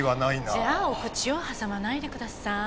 じゃあお口を挟まないでください。